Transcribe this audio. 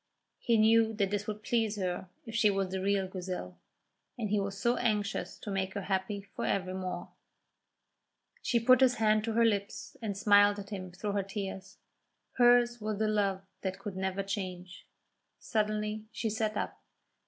He knew that this would please her if she was the real Grizel, and he was so anxious to make her happy for evermore. She put his hand to her lips and smiled at him through her tears. Hers was a love that could never change. Suddenly she sat up.